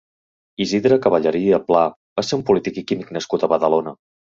Isidre Caballeria Pla va ser un polític i químic nascut a Badalona.